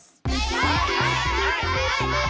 はいはいはいはい！